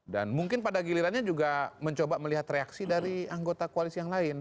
dan mungkin pada gilirannya juga mencoba melihat reaksi dari anggota koalisi yang lain